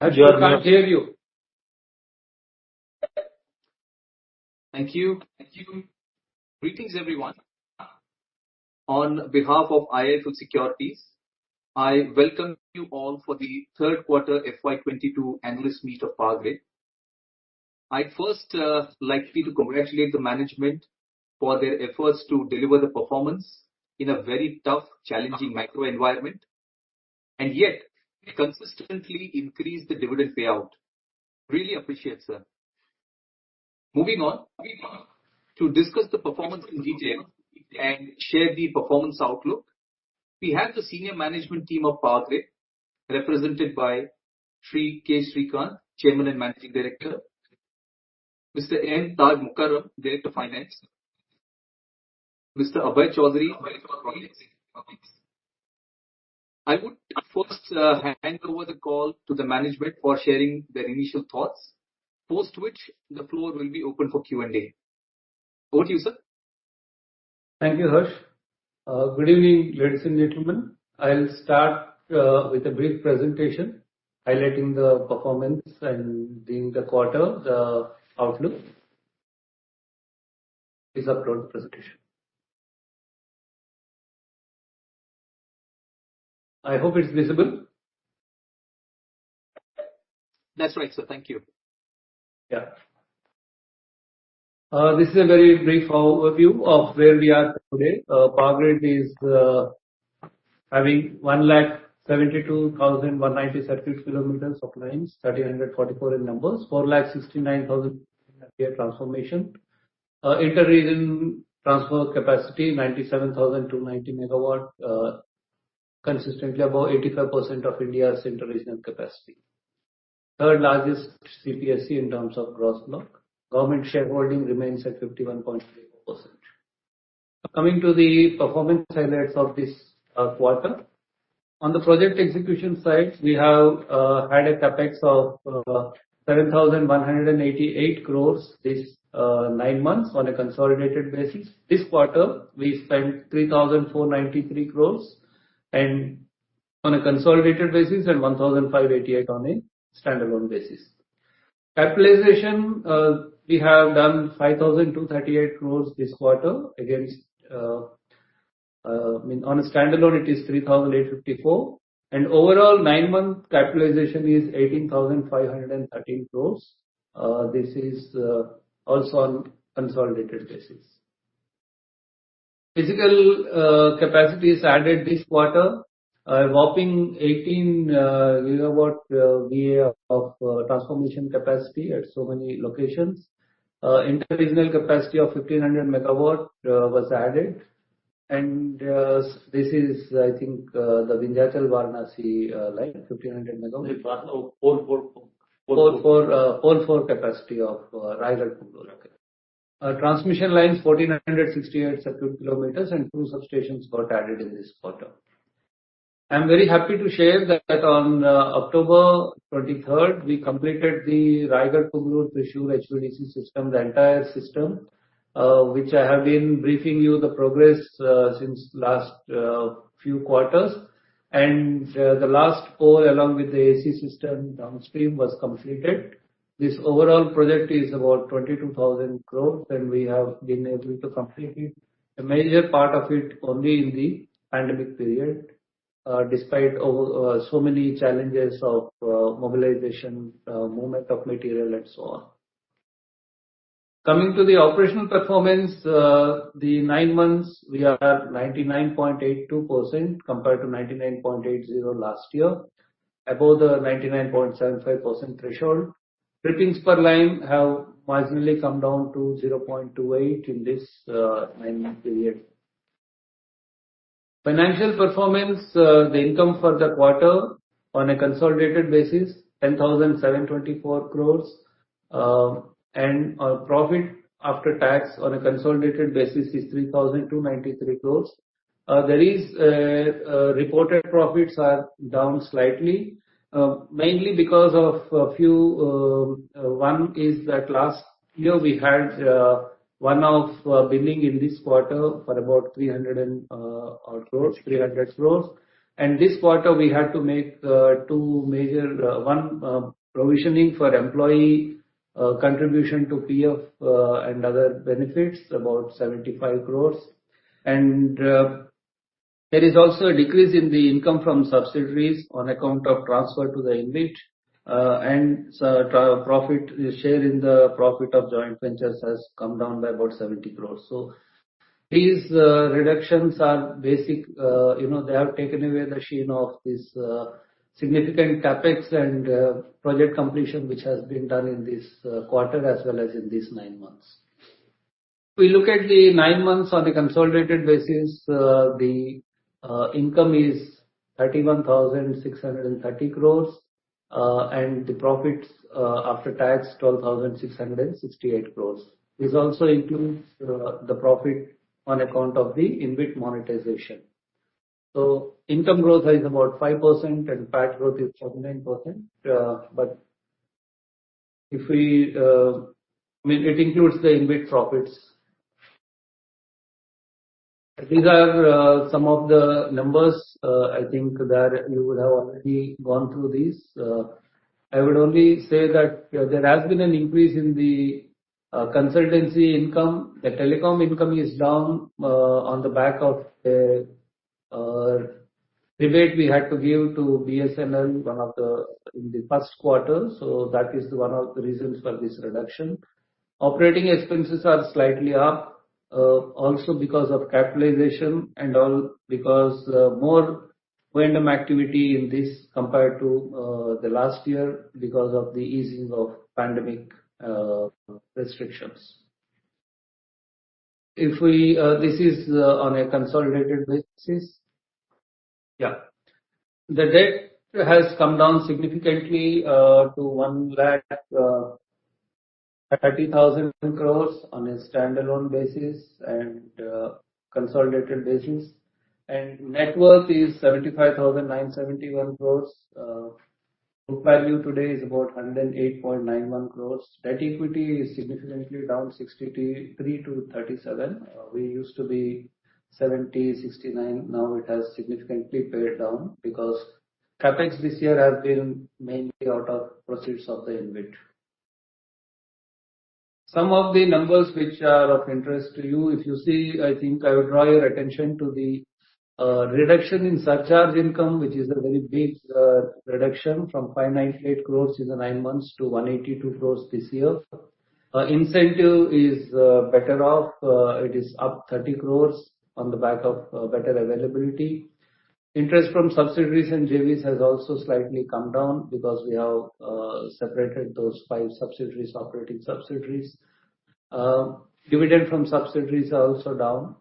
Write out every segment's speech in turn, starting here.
I can't hear you. Thank you. Greetings, everyone. On behalf of IIFL Securities, I welcome you all for the third quarter FY 2022 analyst meet of Power Grid. I'd first like to congratulate the management for their efforts to deliver the performance in a very tough, challenging macro environment, and yet consistently increase the dividend payout. Really appreciate, sir. Moving on, to discuss the performance in detail and share the performance outlook, we have the senior management team of Power Grid, represented by Shri K. Sreekant, Chairman and Managing Director. Mr. M. Taj Mukarrum, Director Finance. Mr. Abhay Choudhary. I would first hand over the call to the management for sharing their initial thoughts, post which the floor will be open for Q&A. Over to you, sir. Thank you, Harsh. Good evening, ladies and gentlemen. I'll start with a brief presentation highlighting the performance during the quarter and the outlook. Please upload the presentation. I hope it's visible. That's right, sir. Thank you. This is a very brief overview of where we are today. Power Grid is having 172,190 circuit kilometers of lines, 1,344 in numbers. 469,000 MVA transformation. Interregional transfer capacity 97,290 MW, consistently above 85% of India's interregional capacity. Third largest CPSE in terms of gross block. Government shareholding remains at 51.34%. Coming to the performance highlights of this quarter. On the project execution side, we have had a CapEx of 7,188 crores this nine months on a consolidated basis. This quarter we spent 3,493 crores on a consolidated basis and 1,588 crores on a standalone basis. Capitalization, we have done 5,238 crores this quarter against, I mean, on a standalone it is 3,854 crores. Overall nine-month capitalization is 18,513 crores. This is also on consolidated basis. Physical capacities added this quarter, a whopping 18 GVA of transformation capacity at so many locations. Interregional capacity of 1,500 MW was added. This is, I think, the Vindhyachal-Varanasi line, 1,500 MW. Pole-four. Pole-four capacity of Raigarh-Pugalur. Transmission lines 1,468 circuit kilometers and 2 substations got added in this quarter. I'm very happy to share that on October 23rd, we completed the Raigarh-Pugalur-Thrissur HVDC system, the entire system, which I have been briefing you the progress since last few quarters. The last pole along with the AC system downstream was completed. This overall project is about 22,000 crore, and we have been able to complete it, a major part of it, only in the pandemic period despite so many challenges of mobilization, movement of material and so on. Coming to the operational performance, the nine months we are at 99.82% compared to 99.80% last year, above the 99.75% threshold. Trippings per line have marginally come down to 0.28 in this nine-month period. Financial performance, the income for the quarter on a consolidated basis, 10,724 crores, and our profit after tax on a consolidated basis is 3,293 crores. There is reported profits are down slightly, mainly because of a few, one is that last year we had one-off billing in this quarter for about 300 crores. This quarter we had to make two major one provisioning for employee contribution to PF and other benefits, about 75 crores. There is also a decrease in the income from subsidiaries on account of transfer to the InvIT, and profit share in the profit of joint ventures has come down by about 70 crore. These reductions are basically, you know, they have taken away the sheen of this significant CapEx and project completion, which has been done in this quarter as well as in these nine months. If we look at the nine months on the consolidated basis, the income is 31,630 crore and the profits after tax 12,668 crore. This also includes the profit on account of the InvIT monetization. Income growth is about 5% and PAT growth is 49%. If we... I mean, it includes the inbuilt profits. These are some of the numbers, I think that you would have already gone through these. I would only say that there has been an increase in the consultancy income. The telecom income is down on the back of a rebate we had to give to BSNL in the first quarter, so that is one of the reasons for this reduction. Operating expenses are slightly up, also because of capitalization and all because more R&M activity in this compared to the last year because of the easing of pandemic restrictions. This is on a consolidated basis? Yeah. The debt has come down significantly to 1,30,000 crore on a standalone basis and a consolidated basis, and net worth is 75,971 crore. Book value today is about 108.91 crore. Debt equity is significantly down, 63 to 37. We used to be 70, 69, now it has significantly pared down because CapEx this year has been mainly out of proceeds of the NBT. Some of the numbers which are of interest to you, if you see, I think I would draw your attention to the reduction in surcharge income, which is a very big reduction, from 598 crore in the nine months to 182 crore this year. Incentive is better off. It is up 30 crore on the back of better availability. Interest from subsidiaries and JVs has also slightly come down because we have separated those five subsidiaries, operating subsidiaries. Dividend from subsidiaries are also down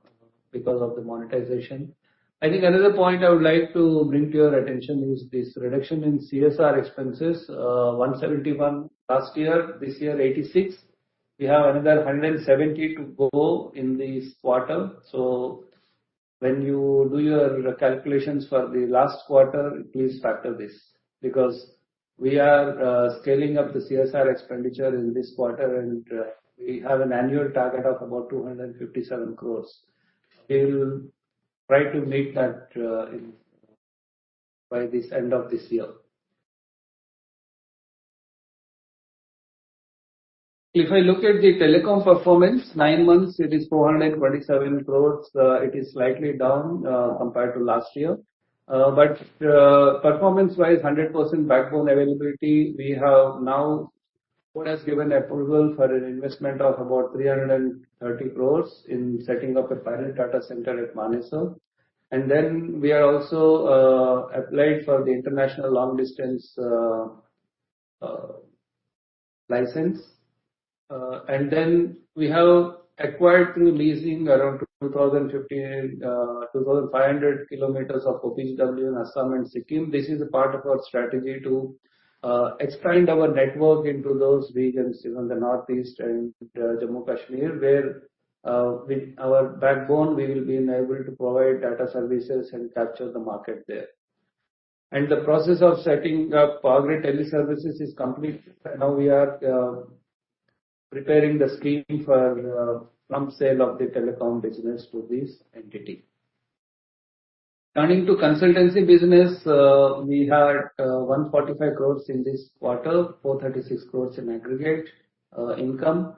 because of the monetization. I think another point I would like to bring to your attention is this reduction in CSR expenses. 171 crore last year, INR 86 crore this year. We have another 170 crore to go in this quarter. When you do your calculations for the last quarter, please factor this, because we are scaling up the CSR expenditure in this quarter, and we have an annual target of about 257 crore. We will try to meet that by the end of this year. If I look at the telecom performance, nine months it is 427 crore. It is slightly down compared to last year. Performance-wise, 100% backbone availability. The Board has given approval for an investment of about 330 crores in setting up a fibre data center at Manesar. We have also applied for the international long distance license. We have acquired through leasing around 2,500 km of OPGW in Assam and Sikkim. This is a part of our strategy to expand our network into those regions, even the Northeast and Jammu and Kashmir, where with our backbone, we will be enabled to provide data services and capture the market there. The process of setting up PowerGrid Teleservices is complete. Now we are preparing the scheme for the slump sale of the telecom business to this entity. Turning to consultancy business, we had 145 crores in this quarter, 436 crores in aggregate income.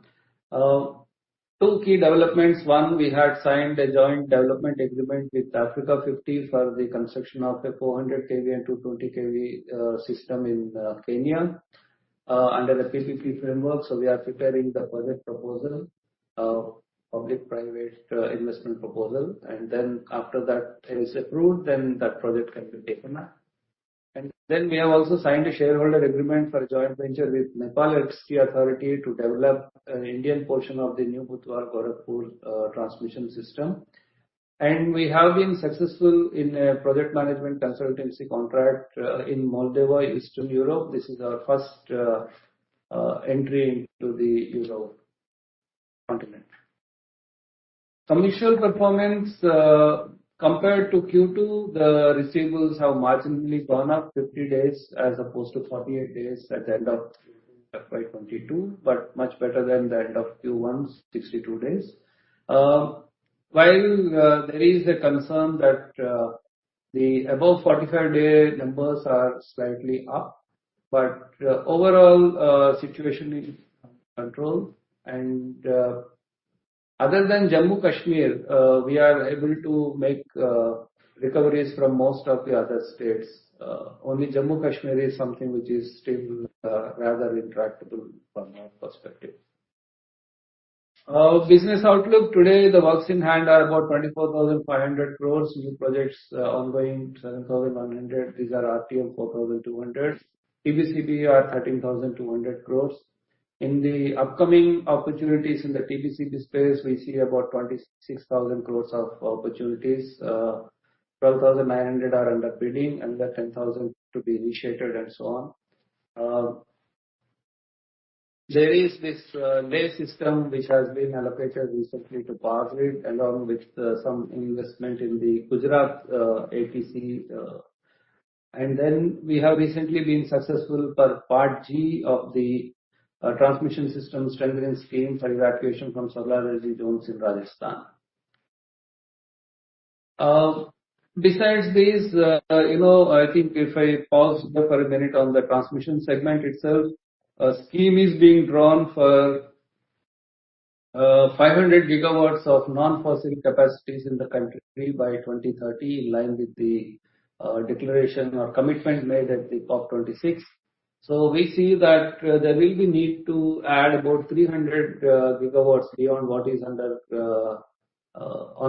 Two key developments. One, we had signed a joint development agreement with Africa50 for the construction of a 400 kV and 220 kV system in Kenya under the PPP framework. We are preparing the project proposal, public private investment proposal, and then after that is approved, then that project can be taken up. We have also signed a shareholder agreement for a joint venture with Nepal Electricity Authority to develop an Indian portion of the new Butwal-Gorakhpur transmission system. We have been successful in a project management consultancy contract in Moldova, Eastern Europe. This is our first entry into the European continent. Commercial performance, compared to Q2, the receivables have marginally gone up, 50 days as opposed to 48 days at the end of FY 2022, but much better than the end of Q1, 62 days. While there is a concern that the above 45-day numbers are slightly up, but overall situation is under control. Other than Jammu and Kashmir, we are able to make recoveries from most of the other states. Only Jammu and Kashmir is something which is still rather intractable from our perspective. Business outlook. Today, the works in hand are about 24,500 crores. New projects ongoing, 7,100 crores. These are RTM, 4,200 crores. TBCB are 13,200 crores. In the upcoming opportunities in the TBCB space, we see about 26,000 crores of opportunities. 12,900 crore are under bidding, another 10,000 crore to be initiated, and so on. There is this BESS which has been allocated recently to Power Grid, along with some investment in the Gujarat APC. Then we have recently been successful for Part G of the transmission system strengthening scheme for evacuation from solar PV zones in Rajasthan. Besides this, you know, I think if I pause there for a minute on the transmission segment itself, a scheme is being drawn for 500 GW of non-fossil capacities in the country by 2030, in line with the declaration or commitment made at the COP26. We see that there will be need to add about 300 GW beyond what is on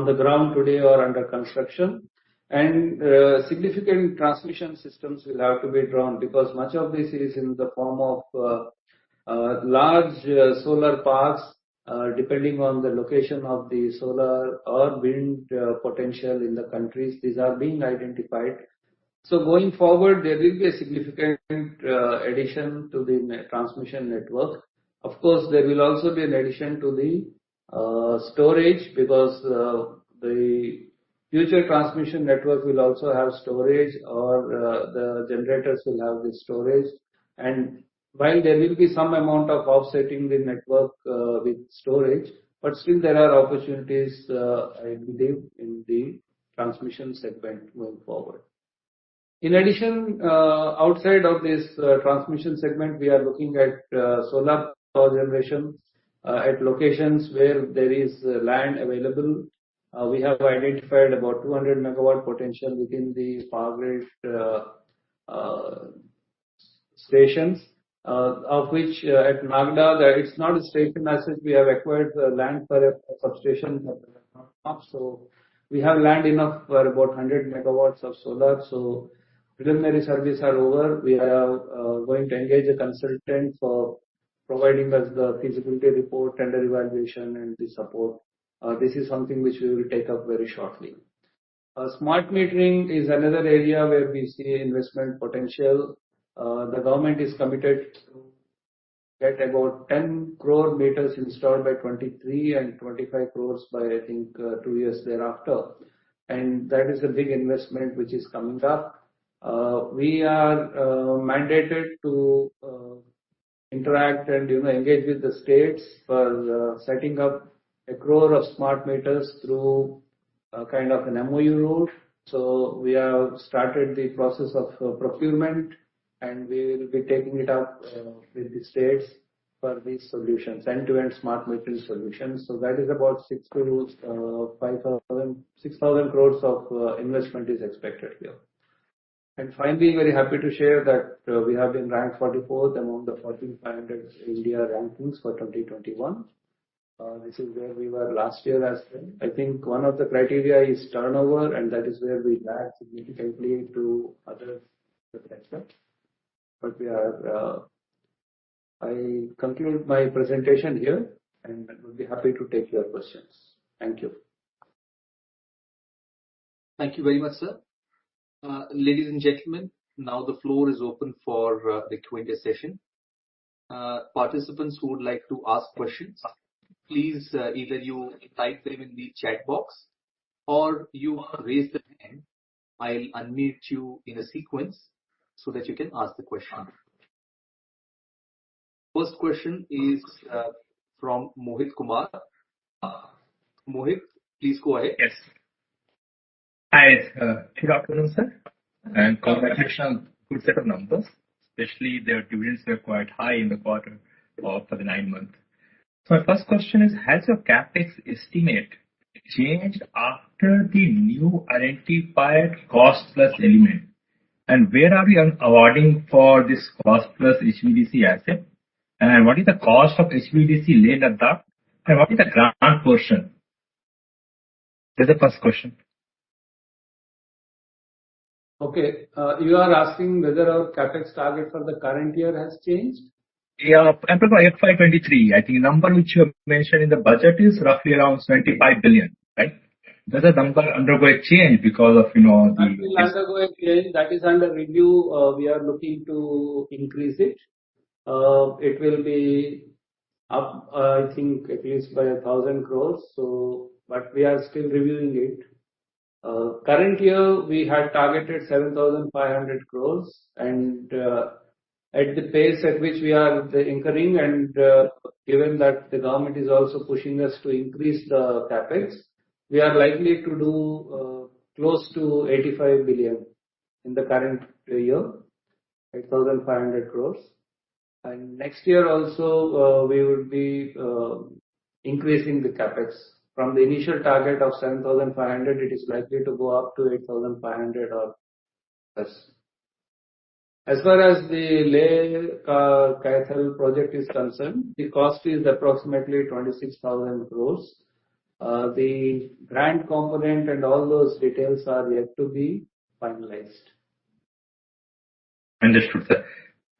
the ground today or under construction. Significant transmission systems will have to be drawn because much of this is in the form of large solar parks, depending on the location of the solar or wind potential in the countries. These are being identified. Going forward, there will be a significant addition to the transmission network. Of course, there will also be an addition to the storage because the future transmission network will also have storage or the generators will have the storage. While there will be some amount of offsetting the network with storage, but still there are opportunities, I believe, in the transmission segment going forward. In addition, outside of this transmission segment, we are looking at solar power generation at locations where there is land available. We have identified about 200 MW potential within the Power Grid stations, of which at Nagda, that is not a station as such. We have acquired the land for a substation so we have land enough for about 100 MW of solar. Preliminary surveys are over. We are going to engage a consultant for providing us the feasibility report, tender evaluation and the support. This is something which we will take up very shortly. Smart metering is another area where we see investment potential. The government is committed to get about 10 crore meters installed by 2023 and 25 crore by, I think, two years thereafter. That is a big investment which is coming up. We are mandated to interact and, you know, engage with the states for setting up 1 crore smart meters through a kind of an MOU route. We have started the process of procurement, and we will be taking it up with the states for these solutions, end-to-end smart metering solutions. That is about 5,000 crore-6,000 crore of investment expected here. Finally, very happy to share that we have been ranked 44th among the Fortune India 500 rankings for 2021. This is where we were last year as well. I think one of the criteria is turnover, and that is where we lag significantly to others. I conclude my presentation here, and will be happy to take your questions. Thank you. Thank you very much, sir. Ladies and gentlemen, now the floor is open for the Q&A session. Participants who would like to ask questions, please, either you type them in the chat box or you raise the hand. I'll unmute you in a sequence so that you can ask the question. First question is from Mohit Kumar. Mohit, please go ahead. Yes. Hi. Good afternoon, sir, and congratulations. Good set of numbers, especially the dividends were quite high in the quarter, for the nine months. My first question is, has your CapEx estimate changed after the new identified cost plus element? And where are we all awarding for this cost plus HVDC asset? And what is the cost of HVDC Leh Ladakh, and what is the grant portion? This is the first question. Okay. You are asking whether our CapEx target for the current year has changed? Yeah. I'm talking about FY 2023. I think the number which you have mentioned in the budget is roughly around 75 billion, right? Does that number undergo a change because of, you know, the- That will undergo a change. That is under review. We are looking to increase it. It will be up, I think at least by 1,000 crores. We are still reviewing it. Current year, we had targeted 7,500 crores. At the pace at which we are incurring and, given that the government is also pushing us to increase the CapEx, we are likely to do close to 85 billion in the current year, 8,500 crores. Next year also, we will be increasing the CapEx. From the initial target of 7,500 crores, it is likely to go up to 8,500 crores or +. As far as the Leh-Kaithal project is concerned, the cost is approximately 26,000 crores. The grant component and all those details are yet to be finalized. Understood, sir.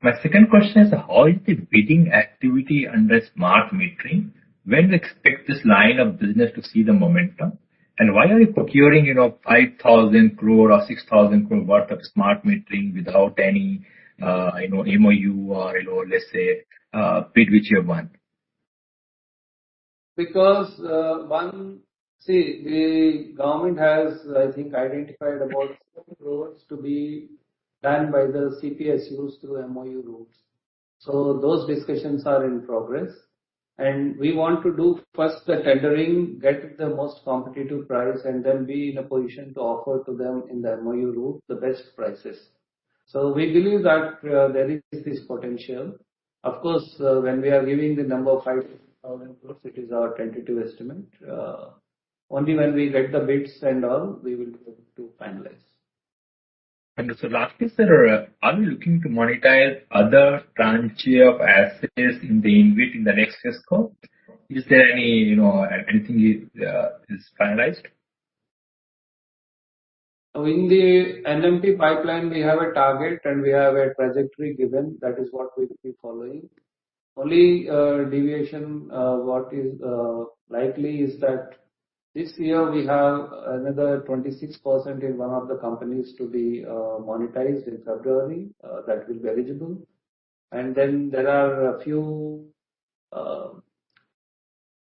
My second question is, how is the bidding activity under smart metering? When to expect this line of business to see the momentum? And why are you procuring, you know, 5,000 crore or 6,000 crore worth of smart metering without any, I know, MOU or, you know, let's say, bid which you have won? Because see, the government has, I think, identified about seven roads to be done by the CPSEs through MOU routes. Those discussions are in progress. We want to do first the tendering, get the most competitive price, and then be in a position to offer to them in the MOU route the best prices. We believe that there is this potential. Of course, when we are giving the number 5,000 crores, it is our tentative estimate. Only when we get the bids and all, we will be able to finalize. Understood. Last piece, sir. Are you looking to monetize other tranche of assets in the InvIT in the next ESCO? Is there any, you know, anything, is finalized? In the NMP pipeline, we have a target and we have a trajectory given. That is what we will be following. Only deviation what is likely is that this year we have another 26% in one of the companies to be monetized in February that will be eligible. Then there are a few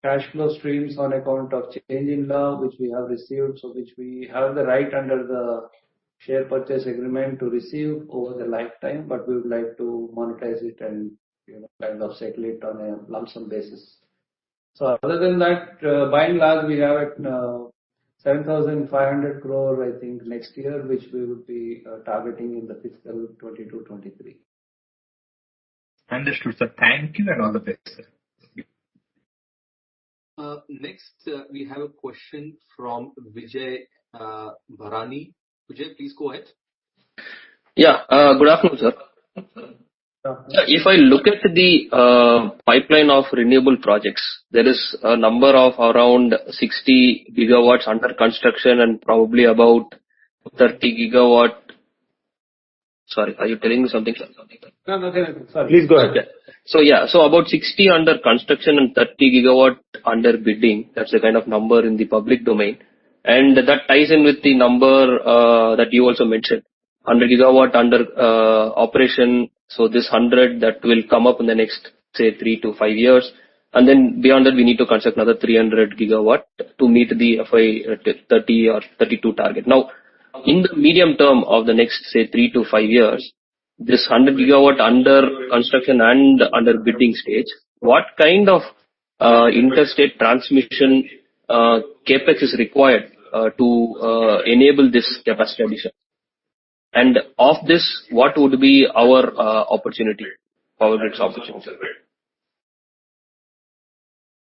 cash flow streams on account of change in law which we have received. Which we have the right under the share purchase agreement to receive over the lifetime, but we would like to monetize it and, you know, kind of settle it on a lump sum basis. Other than that, by and large, we have 7,500 crore, I think, next year, which we would be targeting in the fiscal 2022-23. Understood, sir. Thank you, and all the best, sir. Thank you. Next, we have a question from Vijay Bharani. Vijay, please go ahead. Yeah. Good afternoon, sir. Yeah. If I look at the pipeline of renewable projects, there is a number of around 60 GWs under construction and probably about 30 GWs. Sorry, are you telling me something, sir? No, nothing. Sorry. Please go ahead. About 60 GW under construction and 30 GW under bidding. That's the kind of number in the public domain. That ties in with the number that you also mentioned, 100 GW under operation. This 100 GW that will come up in the next, say, three to five years. Then beyond that, we need to construct another 300 GW to meet the FY 2030 or 2032 target. Now, in the medium term of the next, say, three to five years, this 100 GW under construction and under bidding stage, what kind of interstate transmission CapEx is required to enable this capacity addition? Of this, what would be our opportunity, Power Grid's opportunity,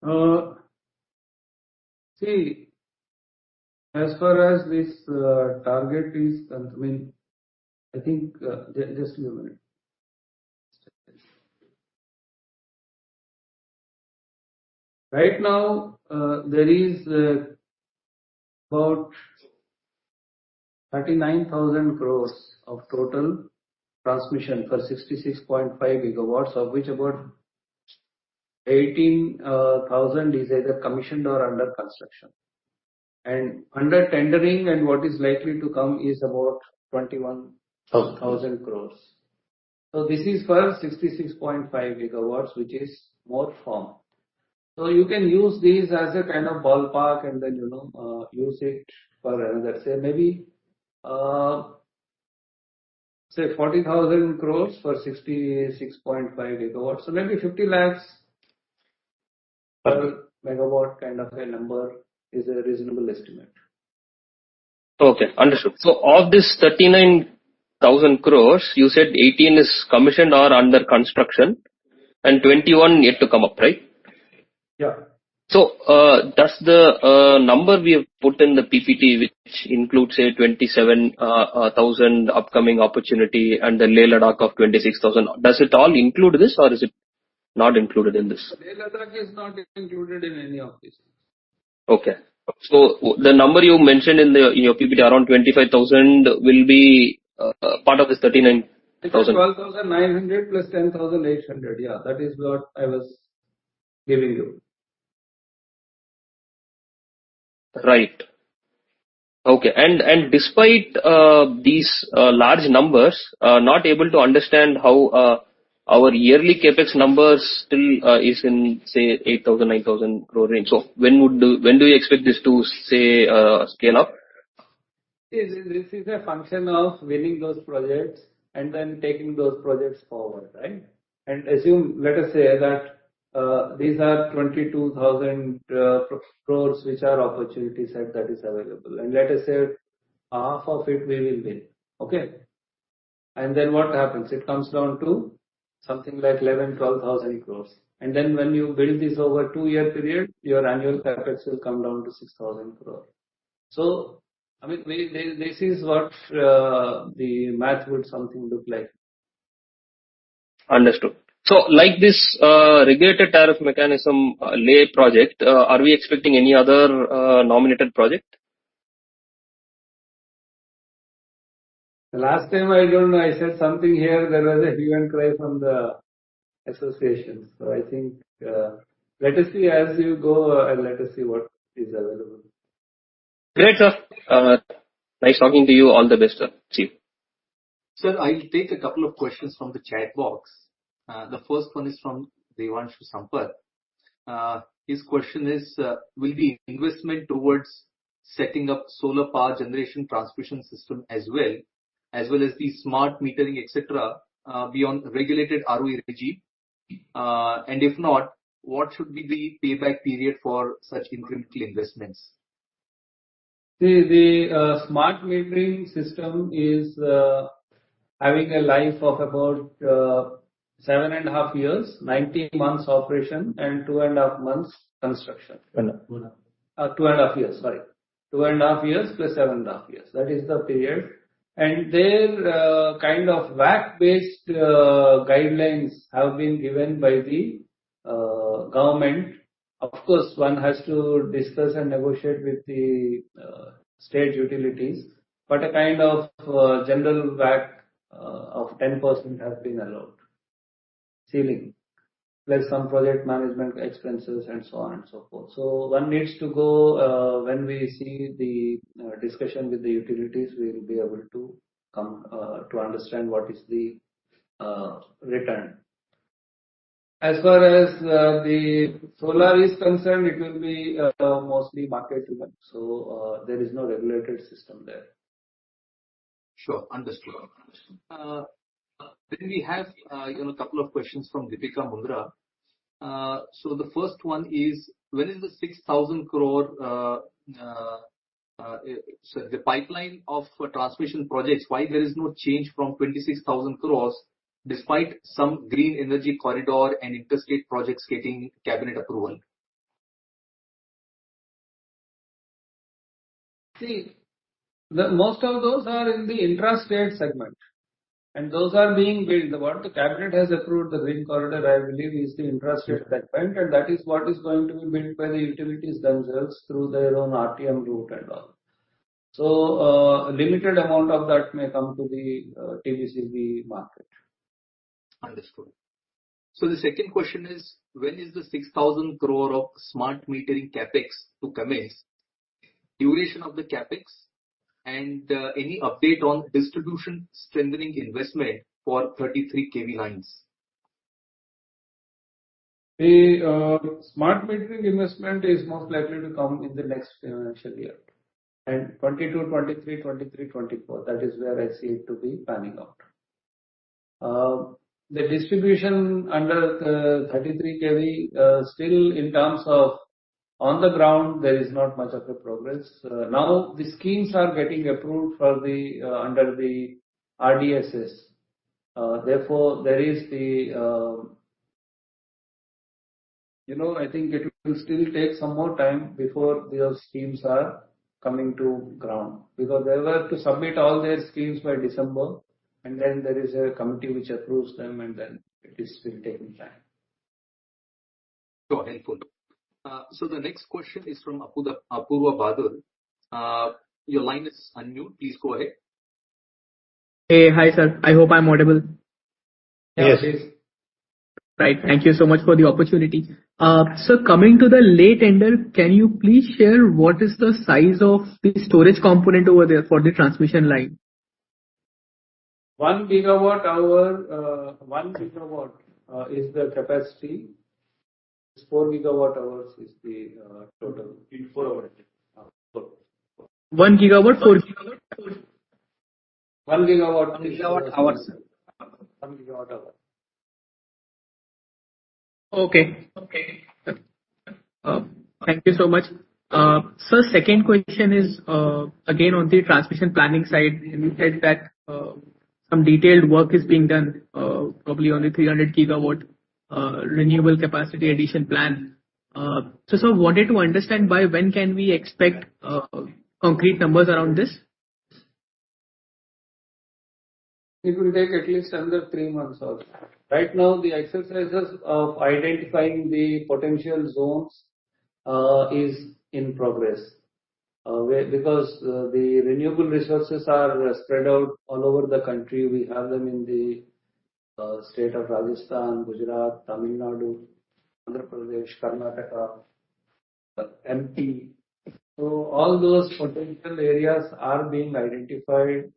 sir? See, as far as this target is concerned, I mean, I think. Just give me a minute. Right now, there is about 39,000 crores of total transmission for 66.5 GW, of which about 18,000 crores is either commissioned or under construction. Under tendering and what is likely to come is about 21,000 crores. This is for 66.5 GW, which is more firm. You can use this as a kind of ballpark and then, you know, use it for another, say maybe 40,000 crores for 66.5 GW. Maybe 50 lakhs per MW kind of a number is a reasonable estimate. Okay. Understood. Of this 39,000 crore, you said 18,000 crore is commissioned or under construction and 21,000 crore yet to come up, right? Yeah. Does the number we have put in the PPT, which includes say 27,000 crore upcoming opportunity and the Leh-Ladakh of 26,000 crore, does it all include this or is it not included in this? Leh-Ladakh is not included in any of this. Okay. The number you mentioned in your PPT, around 25,000 crore, will be part of this 39,000 crore. It is 12,900+ 10,800. Yeah, that is what I was giving you. Right. Okay. Despite these large numbers, not able to understand how our yearly CapEx numbers still is in, say, 8,000 crore-9,000 crore range. When do you expect this to, say, scale up? This is a function of winning those projects and then taking those projects forward, right? Assume, let us say that these are 22,000 crore which are opportunity set that is available. Let us say half of it we will win. Okay? Then what happens? It comes down to something like 11,000 crore-12,000 crore. Then when you build this over two-year period, your annual CapEx will come down to 6,000 crore. I mean, this is what the math would look something like. Understood. Like this, regulated tariff mechanism, Leh project, are we expecting any other nominated project? The last time, I don't know, I said something here, there was a human cry from the association. I think, let us see as you go and let us see what is available. Great, sir. Nice talking to you. All the best, sir. Cheers. Sir, I'll take a couple of questions from the chat box. The first one is from Devanshu Sampat. His question is, will the investment towards setting up solar power generation transmission system as well as the smart metering, etc., be on regulated ROE regime? If not, what should be the payback period for such incremental investments? The smart metering system is having a life of about seven and a half years, 90 months operation, and two and a half months construction. Two and half. Two and a half years plus seven and a half years. That is the period. There, kind of WACC-based guidelines have been given by the government. Of course, one has to discuss and negotiate with the state utilities, but a kind of general WACC of 10% has been allowed. Ceiling, plus some project management expenses and so on and so forth. One needs to go. When we see the discussion with the utilities, we'll be able to come to understand what is the return. As far as the solar is concerned, it will be mostly market driven. There is no regulated system there. Sure. Understood. We have, you know, a couple of questions from Deepika Mundra. The first one is, when is the 6,000 crore, the pipeline of transmission projects, why there is no change from 26,000 crore despite some green energy corridor and interstate projects getting cabinet approval? See, the most of those are in the intrastate segment, and those are being built. The one the cabinet has approved, the green corridor, I believe is the intrastate segment, and that is what is going to be built by the utilities themselves through their own RTM route and all. Limited amount of that may come to the TBCB market. Understood. The second question is, when is the 6,000 crore of smart metering CapEx to commence, duration of the CapEx, and any update on distribution strengthening investment for 33 kV lines? The smart metering investment is most likely to come in the next financial year. FY 2022-23, FY 2023-24, that is where I see it to be panning out. The distribution under the 33 kV, still in terms of on the ground, there is not much of a progress. Now the schemes are getting approved under the RDSS. You know, I think it will still take some more time before those schemes are coming to ground. Because they were to submit all their schemes by December, and then there is a committee which approves them, and then it is still taking time. Sure. Helpful. The next question is from Apoorva Bahadur. Your line is unmuted. Please go ahead. Hey. Hi, sir. I hope I'm audible. Yes. Right. Thank you so much for the opportunity. Coming to the latest tender, can you please share what is the size of the storage component over there for the transmission line? 1 GW is the capacity. 4 GWh is the total. In four hours. 1 GW. 1 GWh. 1 GWh. Okay. Thank you so much. Sir, second question is, again, on the transmission planning side. You said that some detailed work is being done, probably on the 300 GW renewable capacity addition plan. Sir, wanted to understand by when can we expect concrete numbers around this? It will take at least another three months, sir. Right now, the exercises of identifying the potential zones is in progress where, because the renewable resources are spread out all over the country. We have them in the state of Rajasthan, Gujarat, Tamil Nadu, Andhra Pradesh, Karnataka, MP. All those potential areas are being identified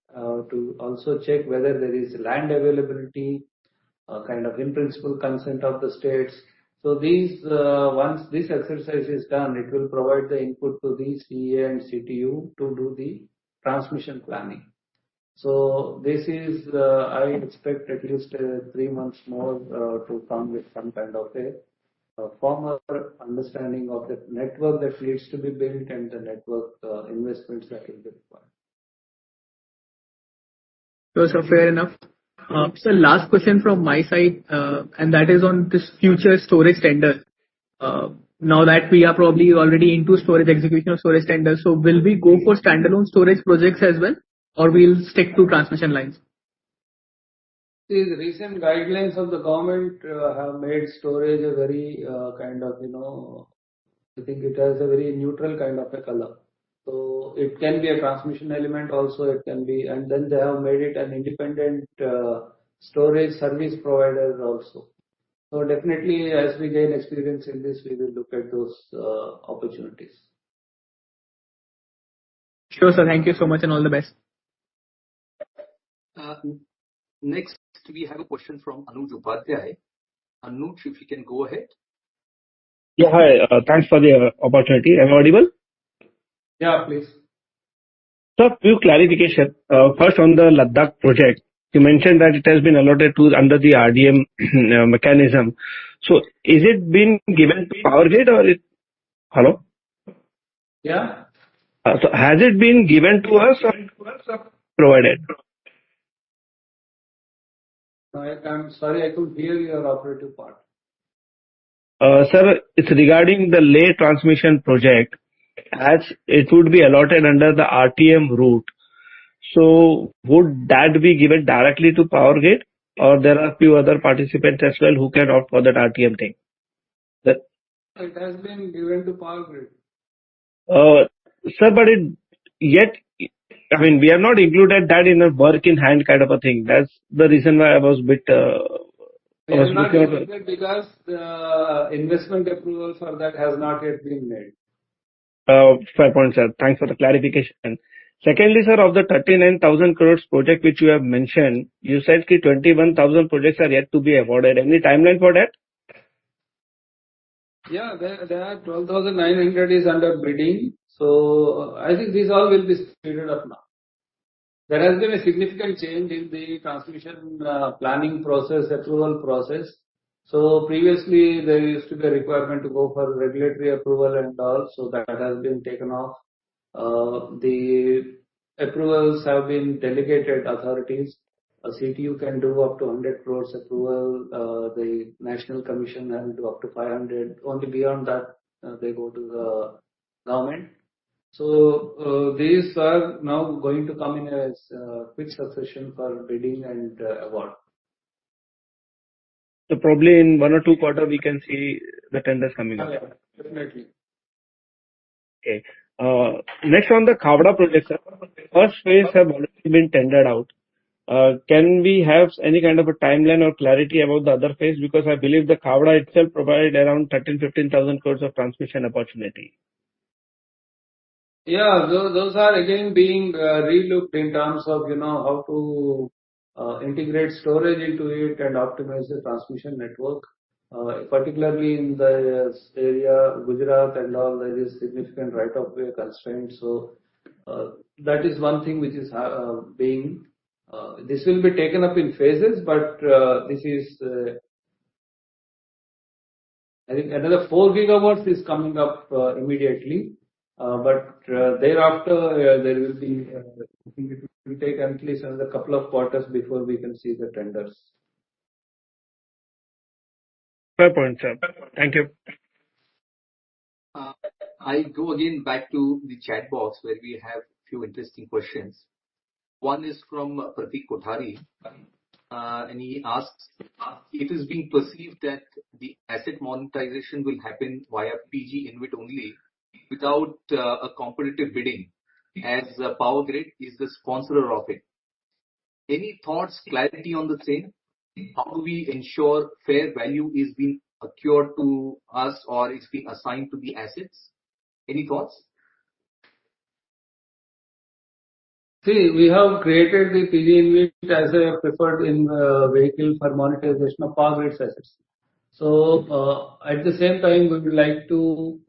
to also check whether there is land availability kind of in principle consent of the states. These once this exercise is done, it will provide the input to the CEA and CTU to do the transmission planning. This is, I expect at least three months more to come with some kind of a formal understanding of the network that needs to be built and the network investments that will be required. Sure. Fair enough. Sir, last question from my side, and that is on this future storage tender. Now that we are probably already into storage execution of storage tenders, so will we go for standalone storage projects as well, or we'll stick to transmission lines? The recent guidelines of the government have made storage a very kind of, you know, I think it has a very neutral kind of a color. It can be a transmission element also, it can be. They have made it an independent storage service provider also. Definitely as we gain experience in this, we will look at those opportunities. Sure, sir. Thank you so much, and all the best. Next we have a question from Anuj Upadhyay. Anuj, if you can go ahead. Yeah, hi. Thanks for the opportunity. Am I audible? Yeah, please. Sir, few clarification. First on the Leh project, you mentioned that it has been allotted to under the RTM mechanism. Is it been given to Power Grid or it. Hello? Yeah. Has it been given to us or provided? I'm sorry, I couldn't hear your operative part. Sir, it's regarding the Leh transmission project. As it would be allotted under the RTM route, so would that be given directly to Power Grid or there are few other participants as well who can opt for that RTM thing? Sir. It has been given to Power Grid. Sir, I mean, we have not included that in a work-in-hand kind of a thing. That's the reason why I was a bit. We have not included because the investment approval for that has not yet been made. Oh, fair point, sir. Thanks for the clarification. Secondly, sir, of the 39,000 crores project which you have mentioned, you said 21,000 projects are yet to be awarded. Any timeline for that? Yeah. There are 12,900 under bidding. I think these all will be speeded up now. There has been a significant change in the transmission planning process, approval process. Previously there used to be a requirement to go for regulatory approval and all, so that has been taken off. The approvals have been delegated authorities. A CTU can do up to 100 crore approval, the national commission can do up to 500 crore. Only beyond that, they go to the government. These are now going to come in in quick succession for bidding and award. Probably in 1 or 2 quarter we can see the tenders coming up. Yeah. Definitely. Okay. Next on the Khavda project, sir. First phase have already been tendered out. Can we have any kind of a timeline or clarity about the other phase? Because I believe the Khavda itself provided around 13,000-15,000 crore of transmission opportunity. Those are again being relooked in terms of, you know, how to integrate storage into it and optimize the transmission network. Particularly in Gujarat and all, there is significant right of way constraints. That is one thing which is being taken up in phases, but I think another 4 GW is coming up immediately. Thereafter, it will take at least another couple of quarters before we can see the tenders. Fair point, sir. Thank you. I go again back to the chat box where we have few interesting questions. One is from Pratik Kothari, and he asks, "It is being perceived that the asset monetization will happen via PGInvIT only without a competitive bidding as Power Grid is the sponsor of it. Any thoughts, clarity on the same? How do we ensure fair value is being accrued to us or is being assigned to the assets?" Any thoughts? See, we have created the PGInvIT as a preferred vehicle for monetization of Power Grid assets. At the same time we would like to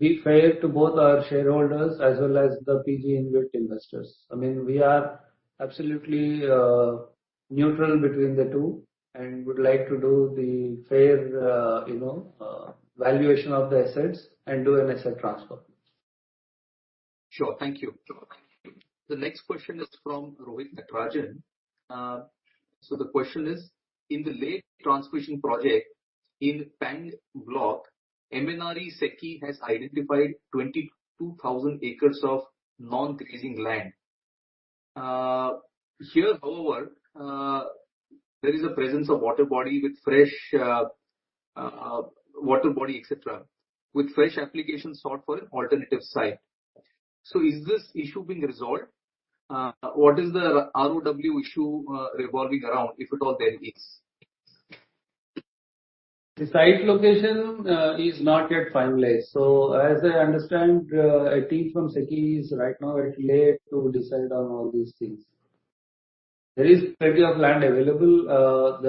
be fair to both our shareholders as well as the PGInvIT investors. I mean, we are absolutely neutral between the two and would like to do the fair you know valuation of the assets and do an asset transfer. Sure. Thank you. The next question is from Rohit Natarajan. The question is: In the Leh transmission project in Pang block, MNRE SECI has identified 22,000 acres of non-grazing land. Here, however, there is a presence of water body with fresh water body et cetera, with fresh application sought for an alternative site. Is this issue being resolved? What is the ROW issue revolving around, if at all there is? The site location is not yet finalized. As I understand, a team from SECI is right now at Leh to decide on all these things. There is plenty of land available.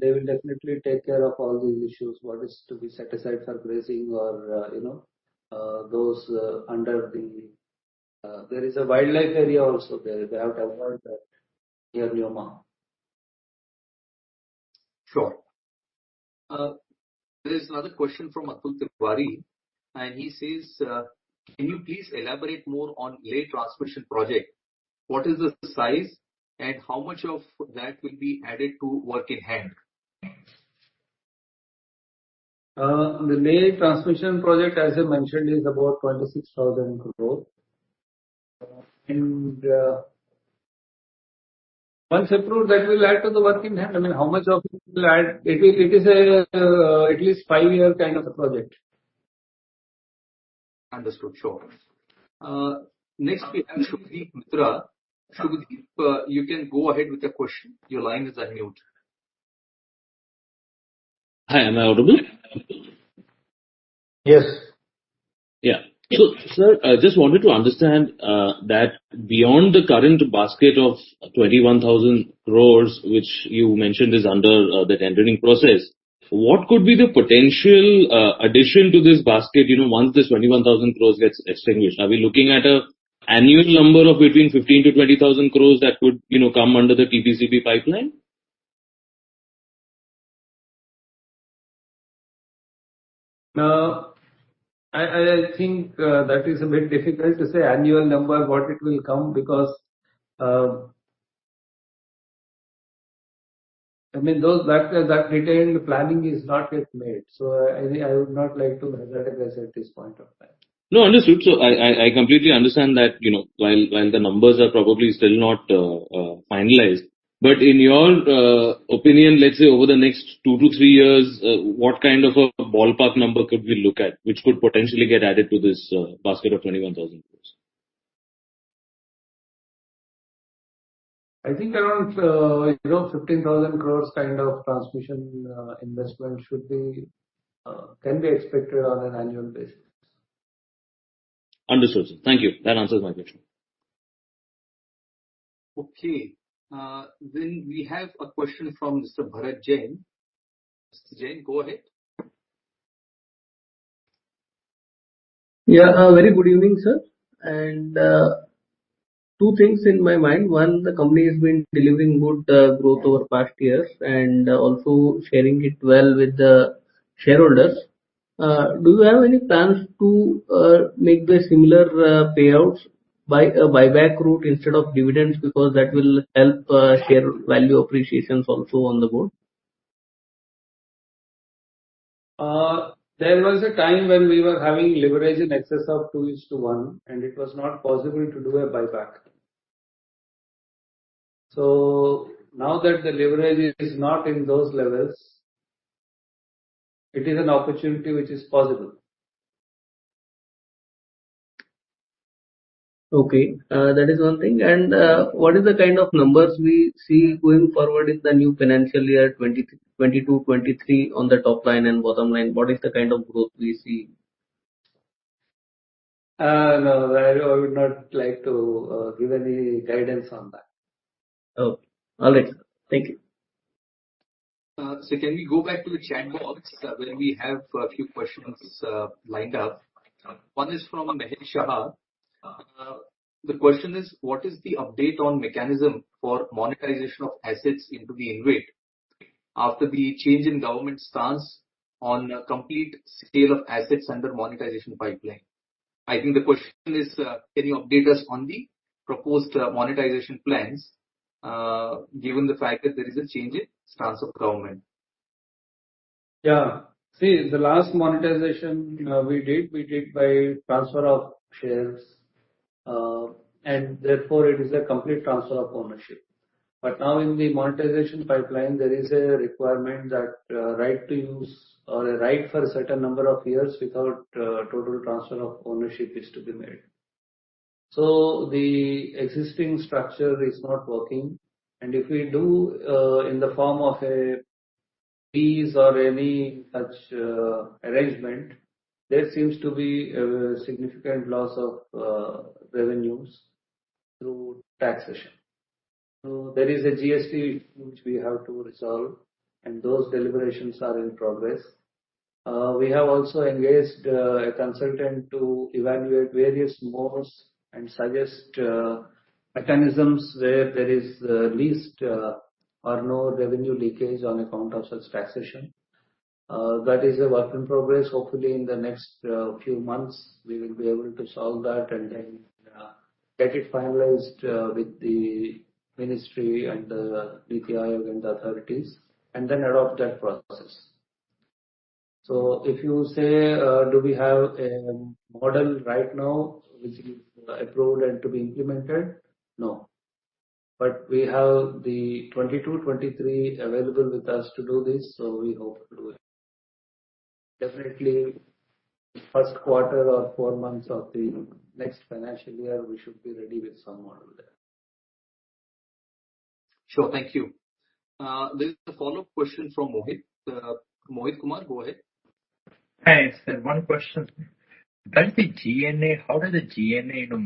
They will definitely take care of all these issues, what is to be set aside for grazing or, you know, those. There is a wildlife area also there. They have to avoid that near Nyoma. Sure. There is another question from Atul Tiwari, and he says, "Can you please elaborate more on Leh transmission project? What is the size and how much of that will be added to work in hand? The Leh transmission project, as I mentioned, is about 26,000 crore. Once approved, that will add to the work in hand. I mean, how much of it will add, it is at least five-year kind of a project. Understood. Sure. Next we have Subhadip Mitra. Subhadip, you can go ahead with your question. Your line is unmuted. Hi, am I audible? Yes. Sir, I just wanted to understand that beyond the current basket of 21,000 crore, which you mentioned is under the tendering process, what could be the potential addition to this basket, you know, once this 21,000 crore gets extinguished? Are we looking at an annual number of between 15,000 crore-20,000 crore that could, you know, come under the TBCB pipeline? No. I think that is a bit difficult to say annual number what it will come because I mean that detailed planning is not yet made, so I would not like to hazard a guess at this point of time. No, understood. I completely understand that, you know, while the numbers are probably still not finalized, but in your opinion, let's say over the next 2-3 years, what kind of a ballpark number could we look at which could potentially get added to this basket of 21,000 crore? I think around, you know, 15,000 crores kind of transmission investment can be expected on an annual basis. Understood, sir. Thank you. That answers my question. Okay. We have a question from Mr. Bharat Jain. Mr. Jain, go ahead. Yeah. Very good evening, sir. Two things in my mind. One, the company has been delivering good growth over past years and also sharing it well with the shareholders. Do you have any plans to make the similar payouts by a buyback route instead of dividends? Because that will help share value appreciations also on the board. There was a time when we were having leverage in excess of 2:1, and it was not possible to do a buyback. Now that the leverage is not in those levels, it is an opportunity which is possible. Okay. That is one thing. What is the kind of numbers we see going forward in the new financial year 2022-23 on the top line and bottom line? What is the kind of growth we see? No, I would not like to give any guidance on that. Oh. All right, sir. Thank you. Can we go back to the chat box where we have a few questions lined up? One is from Mahesh Shah. The question is: What is the update on mechanism for monetization of assets into the InvIT after the change in government stance on complete sale of assets under monetization pipeline? I think the question is, can you update us on the proposed monetization plans, given the fact that there is a change in stance of government? Yeah. See, the last monetization we did by transfer of shares. Therefore it is a complete transfer of ownership. Now in the monetization pipeline, there is a requirement that right to use or a right for a certain number of years without total transfer of ownership is to be made. The existing structure is not working. If we do in the form of a fee or any such arrangement, there seems to be a significant loss of revenues through taxation. There is a GST which we have to resolve, and those deliberations are in progress. We have also engaged a consultant to evaluate various modes and suggest mechanisms where there is least or no revenue leakage on account of such taxation. That is a work in progress. Hopefully in the next few months we will be able to solve that and then get it finalized with the ministry and the DIPAM and the authorities and then adopt that process. If you say do we have a model right now which is approved and to be implemented? No. We have the 2022, 2023 available with us to do this, so we hope to do it. Definitely first quarter or four months of the next financial year, we should be ready with some model there. Sure. Thank you. There's a follow-up question from Mohit. Mohit Kumar, go ahead. Hi, sir. One question. How does the GNA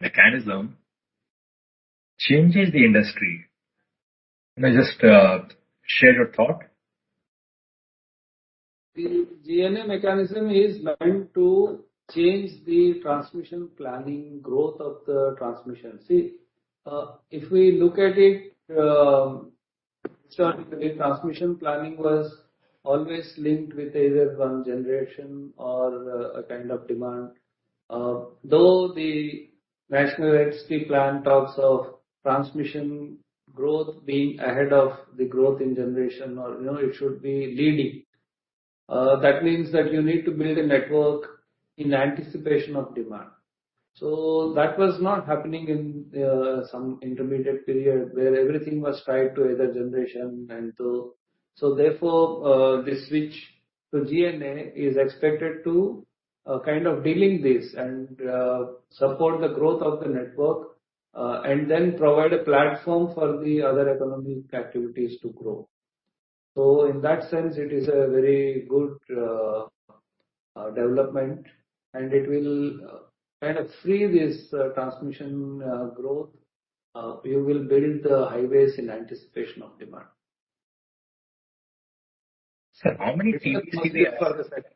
mechanism changes the industry? Can I just share your thought? The GNA mechanism is meant to change the transmission planning growth of the transmission. See, if we look at it, historically, transmission planning was always linked with either one generation or a kind of demand. Though the National Electricity Plan talks of transmission growth being ahead of the growth in generation or, you know, it should be leading. That means that you need to build a network in anticipation of demand. That was not happening in some intermediate period where everything was tied to either generation and so. Therefore, the switch to GNA is expected to kind of deal with this and support the growth of the network, and then provide a platform for the other economic activities to grow. In that sense, it is a very good development, and it will kind of free this transmission growth. We will build the highways in anticipation of demand. Sir, how many TBCB assets?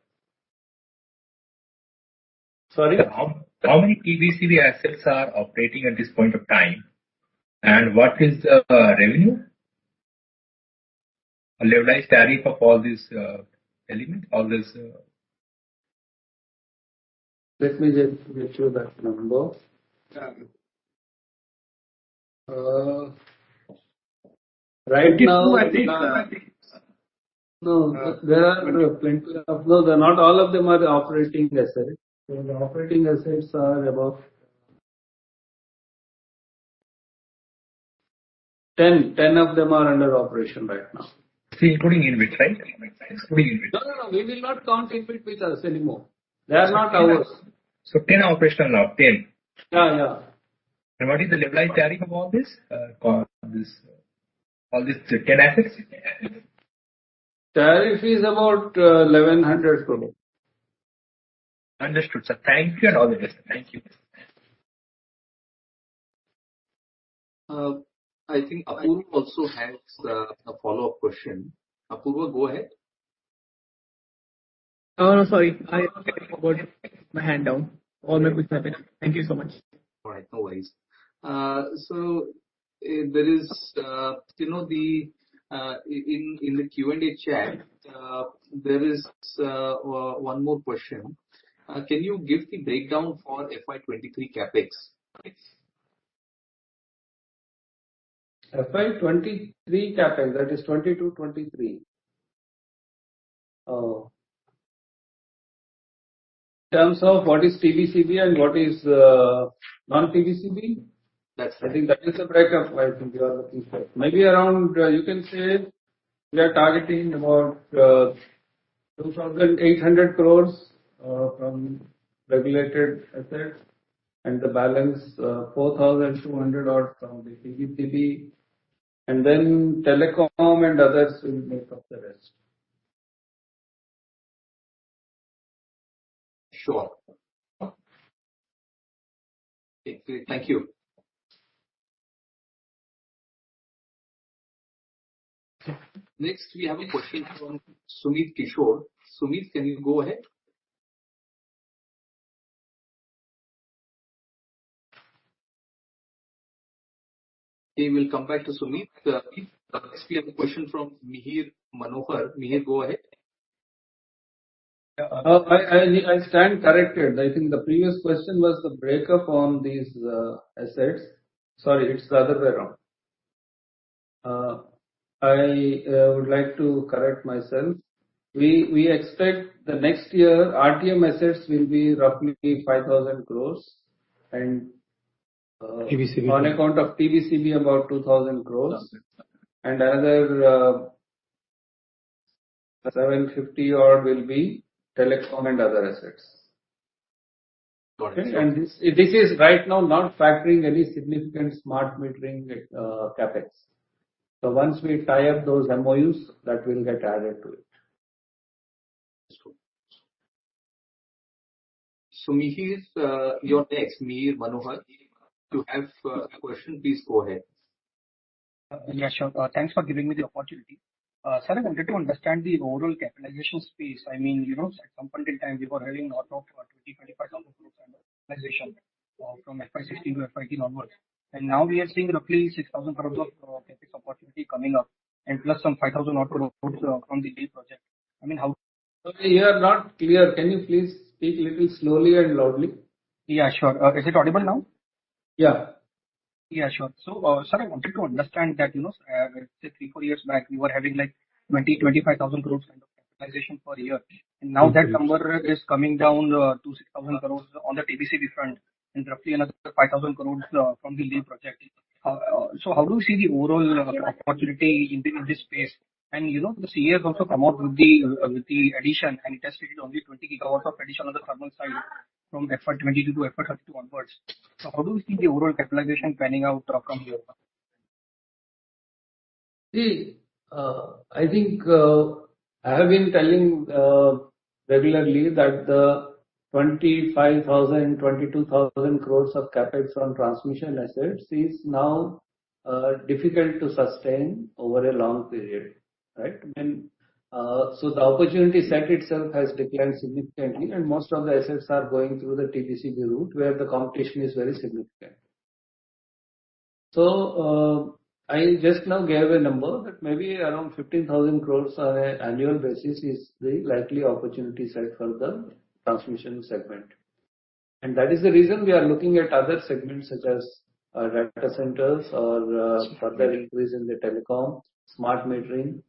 Sorry? How many TBCB assets are operating at this point of time? What is the revenue? A levelized tariff of all this element, all this. Let me just get you that number. Yeah. Right now. 52, I think. No, there are plenty. No, not all of them are operating assets. The operating assets are about 10. 10 of them are under operation right now. Including InvIT, right? No, no. We will not count InvIT with us anymore. They are not ours. 10 operational now. Yeah, yeah. What is the levelized tariff of all these 10 assets? Tariff is about 1,100 crore. Understood, sir. Thank you and all the best. Thank you. I think Apoorva also has a follow-up question. Apoorva, go ahead. Oh, sorry. I forgot my hand down. All my respect. Thank you so much. All right. No worries. There is, you know, in the Q&A chat, there is one more question. Can you give the breakdown for FY 2023 CapEx, please? FY 2023 CapEx, that is 2022/2023. In terms of what is TBCB and what is non-TBCB? Yes. I think that is the breakup I think you are looking for. Maybe around, you can say we are targeting about 2,800 crore from regulated assets and the balance INR 4,200-odd crore from the TBCB. Then telecom and others will make up the rest. Sure. Okay. Thank you. Next, we have a question from Sumit Kishore. Sumit, can you go ahead? We will come back to Sumit. Next we have a question from Mihir Manohar. Mihir, go ahead. Yeah. I stand corrected. I think the previous question was the breakup on these assets. Sorry, it's the other way around. I would like to correct myself. We expect the next year RTM assets will be roughly 5,000 crore and, TBCB. On account of TBCB, about 2,000 crores. Okay. Another 750 odd will be telecom and other assets. Got it. This is right now not factoring any significant smart metering CapEx. Once we tie up those MOUs, that will get added to it. Sure. Mihir, you're next. Mihir Manohar, you have a question, please go ahead. Yeah, sure. Thanks for giving me the opportunity. Sir, I wanted to understand the overall capitalization space. I mean, you know, at some point in time, we were having north of 20,000-25,000 crores kind of capitalization from FY 2016 to FY 2018 onwards. Now we are seeing roughly 6,000 crores of CapEx opportunity coming up and plus some 5,000-odd from the Leh project. I mean, how- You are not clear. Can you please speak little slowly and loudly? Yeah, sure. Is it audible now? Yeah. Yeah, sure. Sir, I wanted to understand that, you know, say 3-4 years back, we were having like 20,000-25,000 crores kind of capitalization per year. Now that number is coming down to 6,000 crores on the TBCB front and roughly another 5,000 crores from the Leh project. How do you see the overall opportunity in this space? You know, the CEA has also come out with the addition, and it has stated only 20 GW of addition on the thermal side from FY 2022 to FY 2031 onwards. How do you think the overall capitalization panning out from here? See, I think, I have been telling regularly that the 25,000 crore, 22,000 crore of CapEx on transmission assets is now difficult to sustain over a long period, right? The opportunity set itself has declined significantly, and most of the assets are going through the TBCB route, where the competition is very significant. I just now gave a number, but maybe around 15,000 crore on a annual basis is the likely opportunity set for the transmission segment. That is the reason we are looking at other segments such as data centers or further increase in the telecom, smart metering,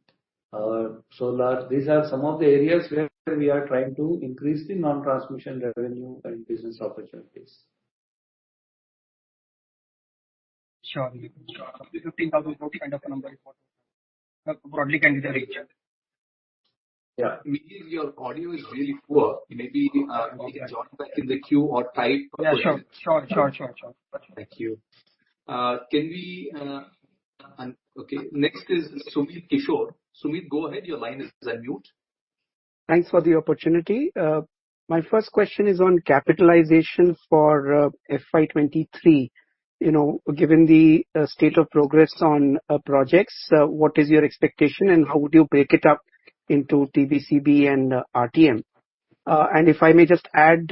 solar. These are some of the areas where we are trying to increase the non-transmission revenue and business opportunities. Sure. The 15,000 crore kind of a number broadly can be the reach. Yeah. Mihir, your audio is really poor. Maybe, you can join back in the queue or type your question. Yeah, sure. Thank you. Okay, next is Sumit Kishore. Sumit, go ahead. Your line is unmuted. Thanks for the opportunity. My first question is on capitalization for FY 2023. You know, given the state of progress on projects, what is your expectation and how would you break it up into TBCB and RTM? And if I may just add,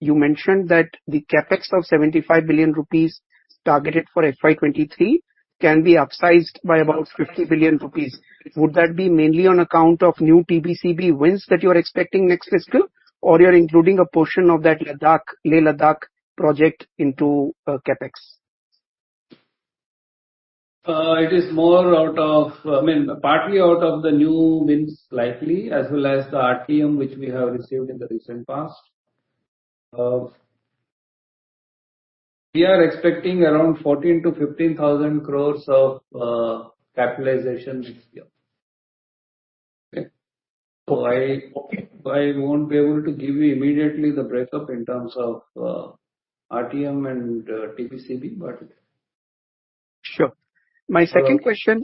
you mentioned that the CapEx of 75 billion rupees targeted for FY 2023 can be upsized by about 50 billion rupees. Would that be mainly on account of new TBCB wins that you are expecting next fiscal, or you're including a portion of that Leh-Ladakh project into CapEx? It is more out of I mean, partly out of the new wins likely, as well as the RTM, which we have received in the recent past. We are expecting around 14,000-15,000 crores of capitalization next year. Okay? Okay. I won't be able to give you immediately the breakup in terms of RTM and TBCB, but Sure. My second question.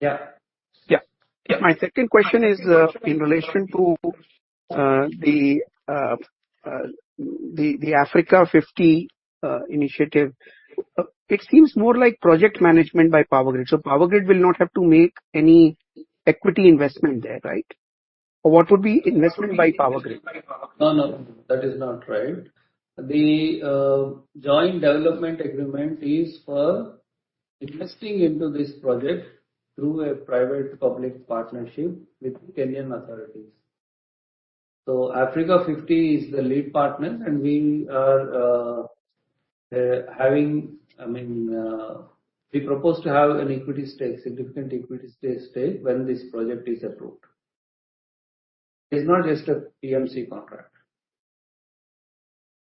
Yeah. Yeah. My second question is, in relation to, the Africa50 initiative. It seems more like project management by Power Grid. Power Grid will not have to make any equity investment there, right? Or what would be investment by Power Grid? No, no. That is not right. The joint development agreement is for investing into this project through a private-public partnership with Kenyan authorities. Africa50 is the lead partner, and I mean, we propose to have an equity stake, significant equity stake when this project is approved. It's not just a PMC contract.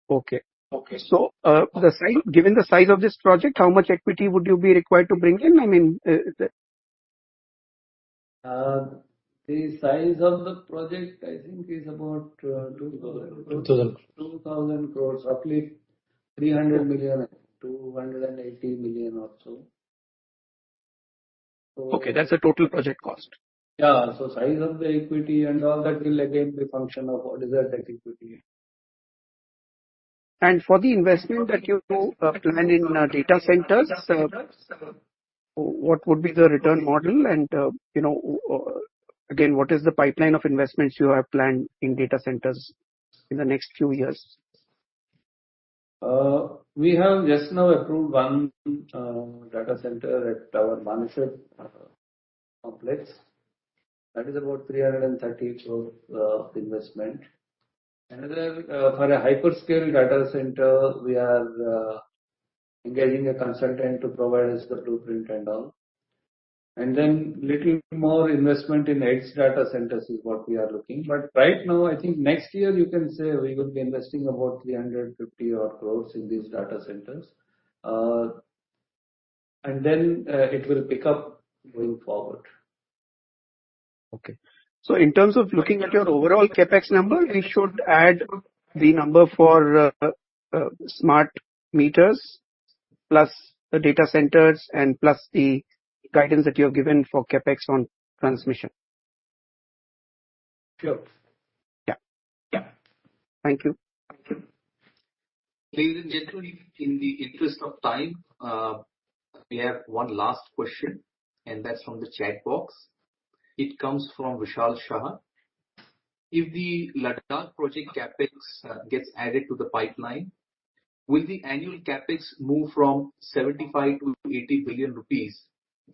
Okay. Okay. Given the size of this project, how much equity would you be required to bring in? I mean, the The size of the project, I think is about 2000 crores. 2,000 crores. 2,000 crores, roughly 300 million, 280 million or so. Okay, that's the total project cost. Yeah. Size of the equity and all that will again be function of what is that equity. For the investment that you plan in data centers, what would be the return model and, you know, again, what is the pipeline of investments you have planned in data centers in the next few years? We have just now approved one data center at our Manesar complex. That is about 330 crore investment. Another for a hyperscale data center, we are engaging a consultant to provide us the blueprint and all. Little more investment in edge data centers is what we are looking. Right now, I think next year you can say we would be investing about 350-odd crore in these data centers. It will pick up going forward. Okay. In terms of looking at your overall CapEx number, we should add the number for smart meters plus the data centers and plus the guidance that you have given for CapEx on transmission. Sure. Yeah. Yeah. Thank you. Ladies and gentlemen, in the interest of time, we have one last question, and that's from the chat box. It comes from Vishal Shah. If the Ladakh project CapEx gets added to the pipeline, will the annual CapEx move from 75 billion-80 billion rupees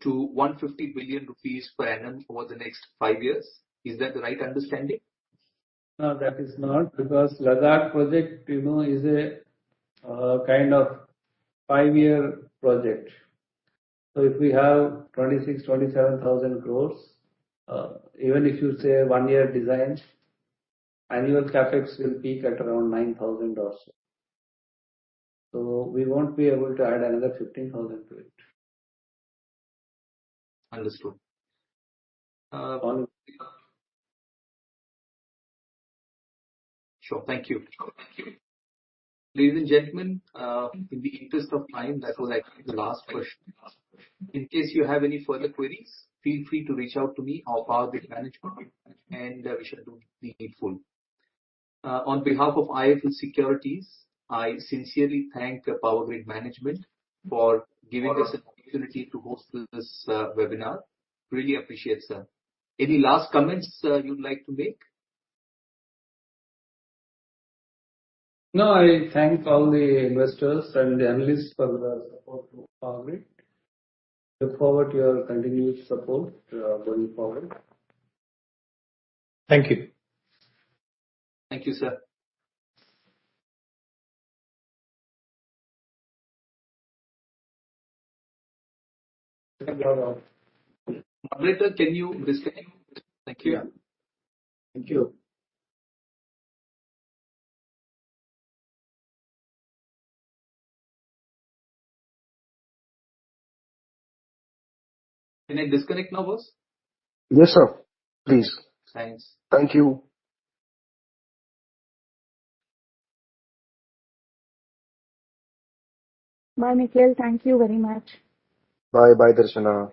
to 150 billion rupees per annum over the next 5 years? Is that the right understanding? No, that is not. Because Ladakh project, you know, is a kind of five-year project. If we have 26,000-27,000 crores, even if you say one year designs, annual CapEx will peak at around 9,000 crores or so. We won't be able to add another 15,000 crores to it. Understood. Sure. Thank you. Sure. Thank you. Ladies and gentlemen, in the interest of time, that was actually the last question. In case you have any further queries, feel free to reach out to me or Power Grid management, and we shall do the needful. On behalf of IIFL Securities, I sincerely thank Power Grid management for giving us an opportunity to host this webinar. Really appreciate, sir. Any last comments you'd like to make? No, I thank all the investors and the analysts for the support to Power Grid. Look forward to your continuous support, going forward. Thank you. Thank you, sir. Moderator, can you disconnect? Thank you. Thank you. Can I disconnect now, boss? Yes, sir. Please. Thanks. Thank you. Bye, Nikhil. Thank you very much. Bye bye, Darshana.